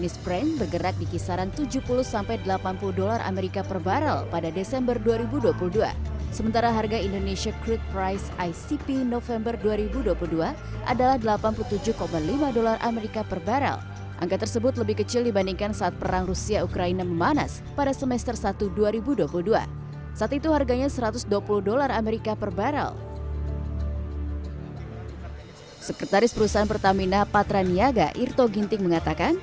sekretaris perusahaan pertamina patra niaga irto ginting mengatakan